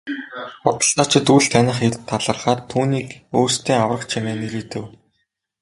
Худалдаачид үл таних эрд талархаад түүнийг өөрсдийн аврагч хэмээн нэрийдэв.